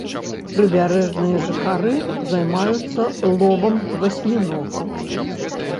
Прыбярэжныя жыхары займаюцца ловам васьміногаў.